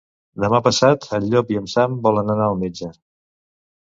Demà passat en Llop i en Sam volen anar al metge.